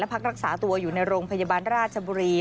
พักรักษาตัวอยู่ในโรงพยาบาลราชบุรี